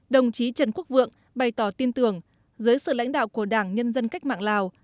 đồng chí trần quốc vượng bày tỏ tin tưởng dưới sự lãnh đạo của đảng nhân dân cách mạng lào